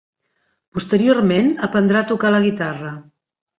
Posteriorment aprendrà a tocar la guitarra.